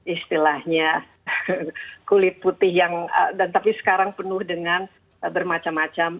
istilahnya kulit putih yang dan tapi sekarang penuh dengan bermacam macam